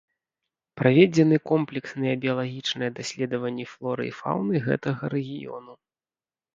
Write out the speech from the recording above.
Праведзены комплексныя біялагічныя даследаванні флоры і фауны гэтага рэгіёну.